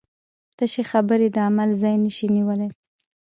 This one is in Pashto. تشې خبرې د عمل ځای نشي نیولی.